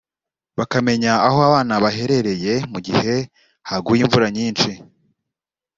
bakamenya aho abana baherereye mu gihe haguye imvura nyinshi